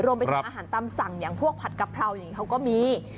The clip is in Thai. รวมไปทั้งอาหารตำสั่งอย่างพวกผัดกะเพราเขาก็มี